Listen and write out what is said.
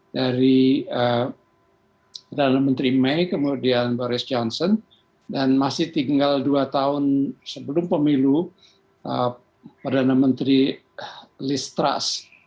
dari perdana menteri mei kemudian boris johnson dan masih tinggal dua tahun sebelum pemilu perdana menteri listras